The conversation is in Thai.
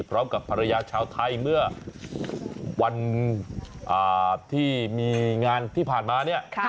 พร้อมกับภรรยาชาวไทยเมื่อวันที่มีงานที่ผ่านมาเนี่ย